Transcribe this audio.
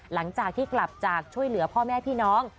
หลังจากที่กลับจากช่วยเหลือพ่อแม่พี่น้อง